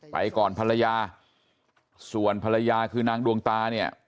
ไปก่อนภรรยาส่วนภรรยาคือนางดวงตาเนี่ย